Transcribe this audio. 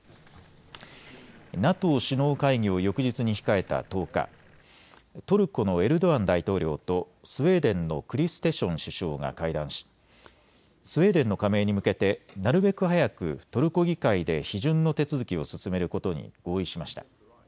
ＮＡＴＯ首脳会議を翌日に控えた１０日、トルコのエルドアン大統領とスウェーデンのクリステション首相が会談しスウェーデンの加盟に向けてなるべく早くトルコ議会で批准の手続きを進めることに合意しました。